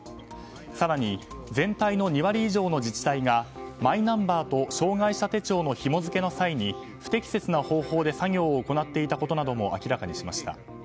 更に、全体の２割以上の自治体がマイナンバーと障害者手帳のひも付けの際に不適切な方法で作業を行っていたことなども明らかにしました。